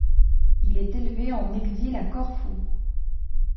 Il est élevé en exil à Corfou.